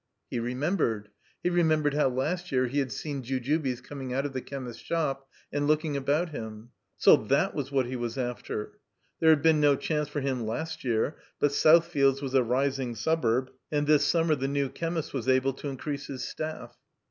He remembered. He remembered how last year he had seen Jujubes coming out of the chemist's shop and looking about him. So that was what he was after! There had been no chance for him last year; but Southfields was a rising suburb, and this summer the new chemist was able to increase his staff.